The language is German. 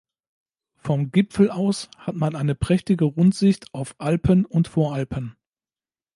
Vom Gipfel aus hat man eine prächtige Rundsicht auf Alpen und Voralpen.